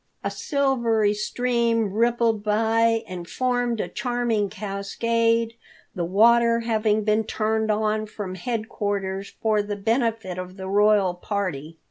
A silvery stream rippled by and formed a charming cascade, the water having been turned on from headquarters for the benefit of the royal party.